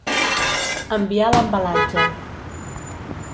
Enviar l'embalatge